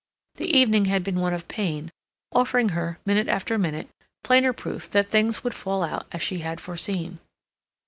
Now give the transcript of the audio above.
The evening had been one of pain, offering her, minute after minute, plainer proof that things would fall out as she had foreseen.